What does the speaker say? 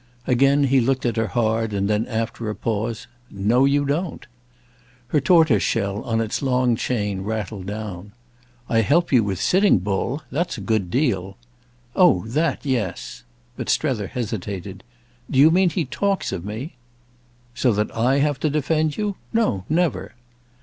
Again he looked at her hard, and then after a pause: "No you don't!" Her tortoise shell, on its long chain, rattled down. "I help you with Sitting Bull. That's a good deal." "Oh that, yes." But Strether hesitated. "Do you mean he talks of me?" "So that I have to defend you? No, never.